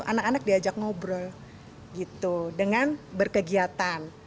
anak anak diajak ngobrol gitu dengan berkegiatan